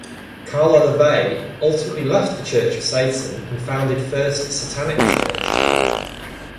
Karla LaVey ultimately left the Church of Satan and founded First Satanic Church.